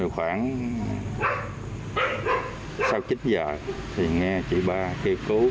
khoảng sau chín giờ thì nghe chị ba kêu cứu